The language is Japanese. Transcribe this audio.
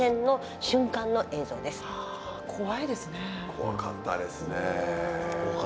怖かったですね。